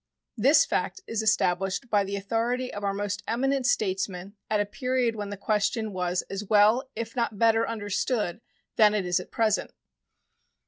This fact is established by the authority of our most eminent statesmen at a period when the question was as well, if not better, understood than it is at present.